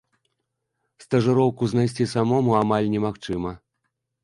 Стажыроўку знайсці самому амаль немагчыма.